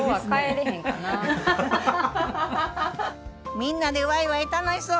みんなでワイワイ楽しそう！